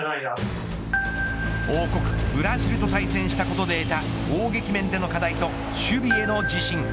王国ブラジルと対戦したことで得た攻撃面での課題と守備への自信。